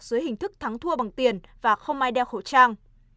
dưới hình thức thắng thua bằng tiền và không ai đeo khẩu trang